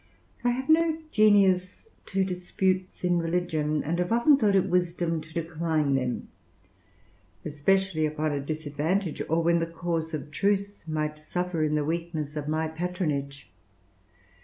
I have no genius to disputes in religion, and have often thought it wisdom to decline them, especially upon a disadvantage, or when the cause of truth might suffer in the weakness of my patronage.